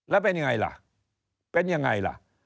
แล้วเป็นยังไงล่ะเป็นยังไงล่ะ